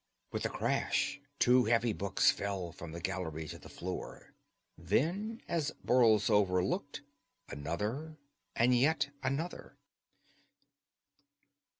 With a crash two heavy books fell from the gallery to the floor; then, as Borlsover looked, another and yet another.